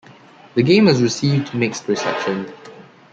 The game has received mixed reception.